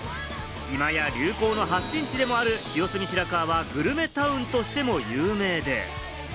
今や流行の発信地でもある清澄白河はグルメタウンとしても有名で。